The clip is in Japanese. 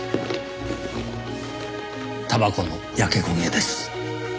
たばこの焼け焦げです。